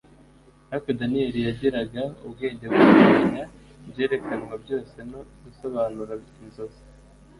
ariko Daniyeli yagiraga ubwenge bwo kumenya ibyerekanwa byose no gusobanura inzozi